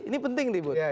ini penting bud